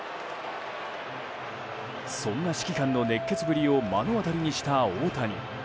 そんな指揮官の熱血ぶりを目の当たりにした大谷。